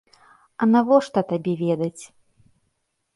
А навошта табе ведаць?